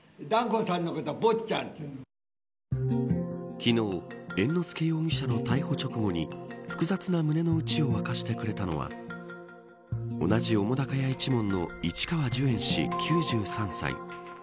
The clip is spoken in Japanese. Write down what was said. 昨日猿之助容疑者の逮捕直後に複雑な胸の内を明かしてくれたのは同じ澤瀉屋一門の市川寿猿氏９３歳。